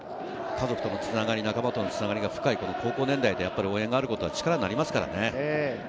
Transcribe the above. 家族とのつながり、仲間とのつながりが深い高校年代で応援があることは力になりますからね。